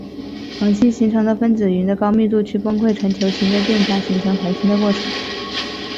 恒星形成是分子云的高密度区崩溃成为球形的电浆形成恒星的过程。